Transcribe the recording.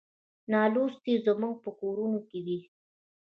نالوستي زموږ په کورونو کې دي.